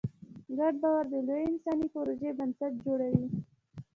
ګډ باور د لویو انساني پروژو بنسټ جوړوي.